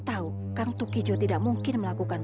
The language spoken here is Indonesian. tahu kang tukijo tidak mungkin melakukan